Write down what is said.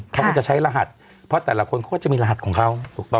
เขาก็จะใช้รหัสเพราะแต่ละคนเขาก็จะมีรหัสของเขาถูกป่